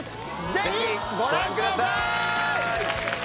ぜひご覧くださーい！